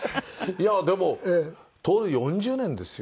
いやでも徹４０年ですよ。